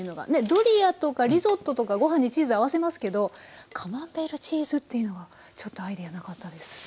ドリアとかリゾットとかご飯にチーズ合わせますけどカマンベールチーズというのがちょっとアイデアなかったです。